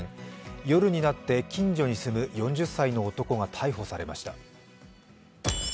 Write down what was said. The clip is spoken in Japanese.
夜になって近所に住む４０歳の男が逮捕されました。